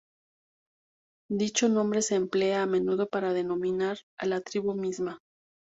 Dicho nombre se emplea a menudo para denominar a la tribu misma.